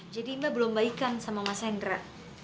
jadi mbak belum baikan sama mas hendra